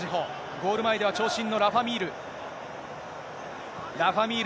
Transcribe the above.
ゴール前では長身のラファ・ミール。